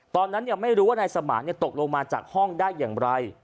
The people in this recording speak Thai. ตอนนั้นไม่รู้ว่านายสมานตกลงมาจากห้องได้อย่างไร